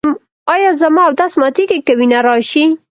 ایا زما اودس ماتیږي که وینه راشي؟